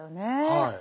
はい。